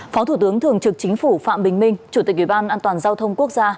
phó thủ tướng thường trực chính phủ phạm bình minh chủ tịch ủy ban an toàn giao thông quốc gia